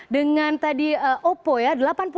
dengan tadi oppo ya